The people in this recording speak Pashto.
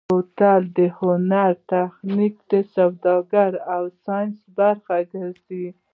بوتل د هنر، تخنیک، سوداګرۍ او ساینس برخه ګرځېدلی.